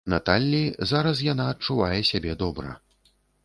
Наталлі, зараз яна адчувае сябе добра.